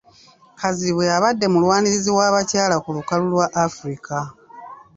Kazibwe abadde mulwanirizi w'abakyala ku lukalu lwa Africa